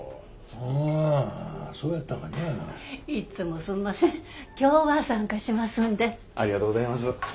ありがとうございます。